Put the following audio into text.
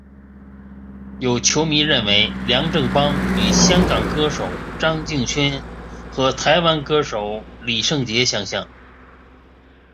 有球迷认为梁振邦与香港歌手张敬轩和台湾歌手李圣杰相像。